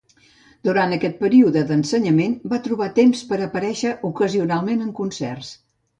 Durant aquest període d'ensenyament va trobar temps per aparèixer ocasionalment en concerts.